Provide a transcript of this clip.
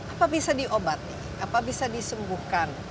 apa bisa diobati apa bisa disembuhkan